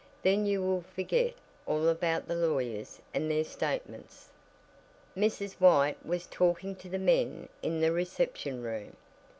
Then you will forget all about the lawyers and their statements." Mrs. White was talking to the men in the reception room.